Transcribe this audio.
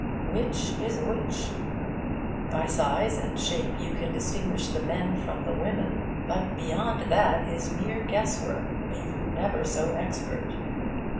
Which is which? By size and shape you can distinguish the men from the women; but beyond that is mere guesswork, be you never so expert.